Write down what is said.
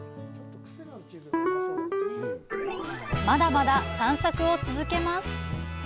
まだまだ散策を続けます。